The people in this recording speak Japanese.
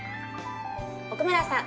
奥村さん